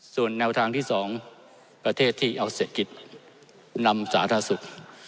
ส่วนแนวทางที่๒ประเทศที่เอาเศรษฐกิจนำสาธารณสุข